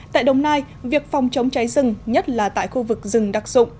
tại đồng nai việc phòng chống cháy rừng nhất là tại khu vực rừng đặc dụng